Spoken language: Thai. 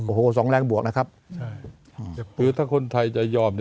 โอ้โหสองแรงบวกนะครับคือถ้าคนไทยจะยอม